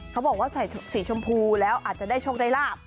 เขาบอกว่าใส่สีชมพูแล้วอาจจะได้โชคได้ลาบ